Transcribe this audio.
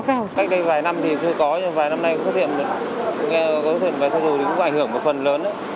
cách đây vài năm thì chưa có nhưng vài năm nay cũng có thể phải xác dụng cũng ảnh hưởng một phần lớn